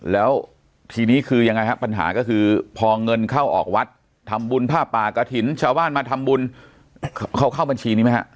แล้วทีนี้คือยังไงฮะปัญหาก็คือพอเงินเข้าออกวัดทำบุญผ้าป่ากระถิ่นชาวบ้านมาทำบุญเขาเข้าบัญชีนี้ไหมฮะ